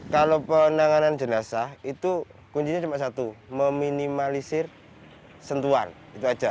kalau penanganan jenazah itu kuncinya cuma satu meminimalisir sentuhan itu aja